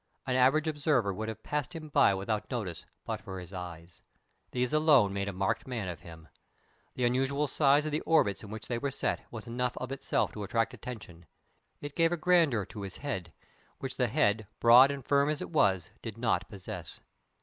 An average observer would have passed him by without notice but for his eyes. These alone made a marked man of him. The unusual size of the orbits in which they were set was enough of itself to attract attention; it gave a grandeur to his head, which the head, broad and firm as it was, did not possess.